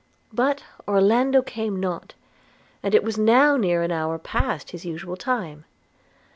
But Orlando came not, and it was now near an hour past his usual time.